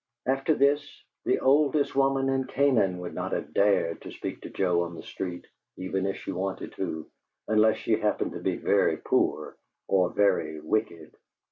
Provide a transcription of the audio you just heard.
After this, the oldest woman in Canaan would not have dared to speak to Joe on the street (even if she wanted to), unless she happened to be very poor or very wicked.